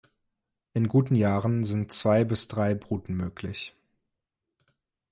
In guten Jahren sind zwei bis drei Bruten möglich.